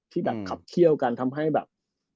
ที่แบบขับเขี้ยวกันทำให้แบบ